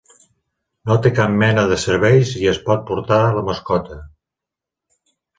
No té cap mena de serveis i es pot portar la mascota.